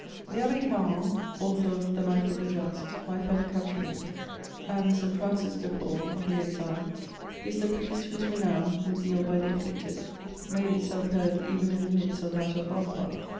The Abb^ Carron, author of The Life of the Just^ my ifellow €Ountryman, and the St. Francis de Paul of the Exile, is the priest whose renown, revealed by the afflicted, made itself heard even in the midst of that of Bonaparte.